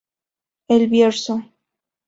El Bierzo.